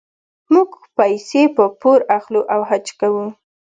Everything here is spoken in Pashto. موږ پیسې په پور اخلو او حج کوو.